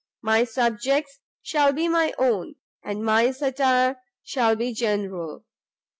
My subjects shall be my own, and my satire shall be general.